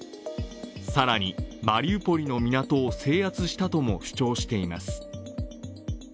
更に、マリウポリの港を制圧したとも主張しています。